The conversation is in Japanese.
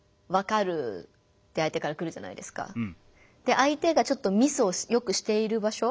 相手がちょっとミスをよくしている場所